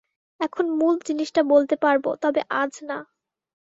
এখন মূল জিনিসটা বলতে পারব, তবে আজ না।